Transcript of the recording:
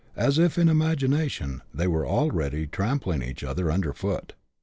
C7 as if, in imagination, they were already trampling each other under foot.